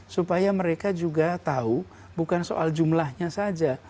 supaya mereka juga tahu bukan soal jumlahnya saja